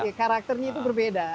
iya karakternya itu berbeda